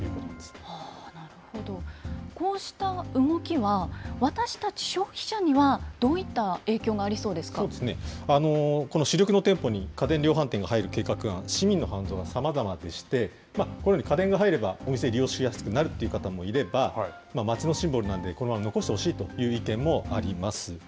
こうした動きは、私たち消費者には、どういった影響がありそうでこの主力の店舗に家電量販店が入る計画案、市民の反応はさまざまでして、このように家電が入ればお店利用しやすくなるという方もいれば、街のシンボルなんで、このまま残してほしいという意見もあります。